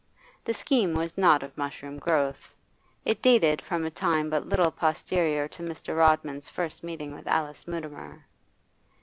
The scheme was not of mushroom growth; it dated from a time but little posterior to Mr. Rodman's first meeting with Alice Mutimer.